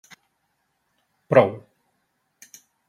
Prou.